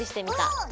うん。